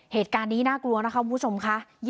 เหตุการณ์นี้น่ากลัวนะคะคุณผู้ชมค่ะ